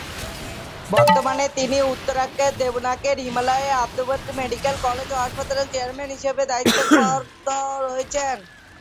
বর্তমানে তিনি উত্তরাখণ্ডের দেরাদুনের হিমালয়ান আয়ুর্বেদিক মেডিকেল কলেজ ও হাসপাতালের চেয়ারপারসন হিসেবে দায়িত্বরত রয়েছেন।